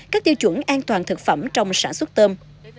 các tiêu chuẩn an toàn thực phẩm trong sản xuất tôm